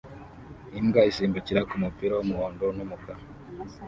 Imbwa isimbukira kumupira wumuhondo numukara